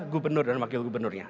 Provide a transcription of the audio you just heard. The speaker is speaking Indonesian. gubernur dan wakil gubernurnya